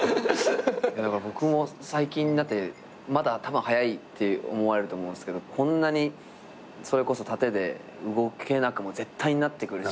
僕も最近まだ早いって思われると思うんすけどこんなにそれこそ殺陣で動けなくも絶対なってくるし。